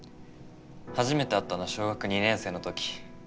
初めて会ったのは小学２年生の時。